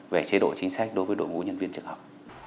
về chế độ chính sách đối với đội ngũ nhân viên trường học